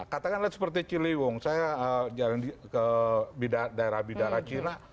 katakanlah seperti ciliwung saya jalan ke daerah bidara cina